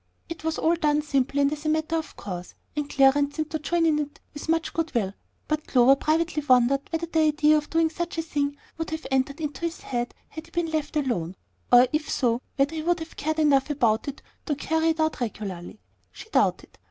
It was all done simply and as a matter of course, and Clarence seemed to join in it with much good will; but Clover privately wondered whether the idea of doing such a thing would have entered into his head had he been left alone, or, if so, whether he would have cared enough about it to carry it out regularly. She doubted.